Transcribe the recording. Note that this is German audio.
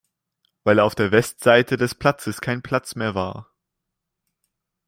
Weil auf der Westseite des Platzes kein Platz mehr war.